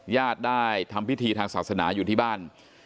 ญาติได้ทำพิธีทางศาสนาอยู่ที่บ้าน